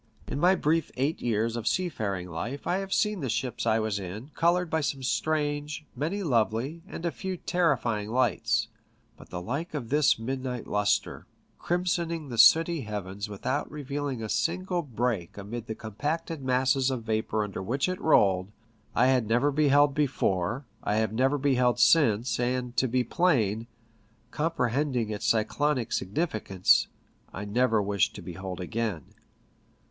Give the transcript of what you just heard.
In my brief eight years of seafaring life I have seen the ships I was in coloured by some strange, many lovely, and a few terrifying, lights ; but the like of this midnight lustre, crimsoning the sooty heavens without revealing a single break amid the compacted masses of vapour under which it rolled, I had never beheld before, I have never beheld since, and to be plain — comprehending its cyclonic significance — I never wish to behold again.